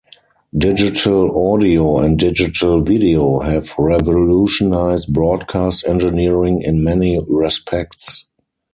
Digital audio and digital video have revolutionized broadcast engineering in many respects.